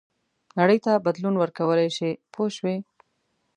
نړۍ ته بدلون ورکولای شي پوه شوې!.